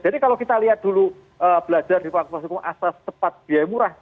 jadi kalau kita lihat dulu belajar di fakultas hukum asas tepat biaya murah